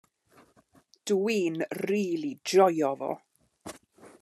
Dw i'n rili joio fo.